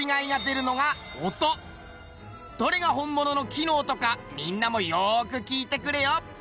どれが本物の木の音かみんなもよーく聞いてくれよ。